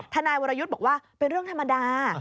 ทนายวรยุทธ์บอกว่าเป็นเรื่องธรรมดา